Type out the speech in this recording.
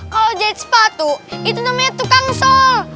kalau jahit sepatu itu namanya tukang sol